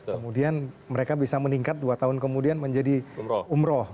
kemudian mereka bisa meningkat dua tahun kemudian menjadi umroh